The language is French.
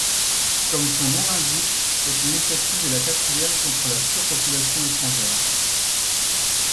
Comme son nom l'indique, cette initiative est la quatrième contre la surpopulation étrangère.